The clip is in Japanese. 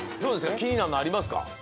きになるのありますか？